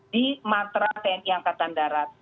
di matra tni angkatan darat